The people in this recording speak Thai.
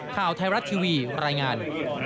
ข่าวไทยรัฐทีวีรายงาน